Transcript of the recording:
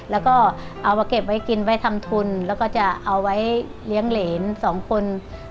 แล้วก็เอามาเก็บไว้กินไว้ทำทุนแล้วก็จะเอาไว้เลี้ยงเหรนสองคน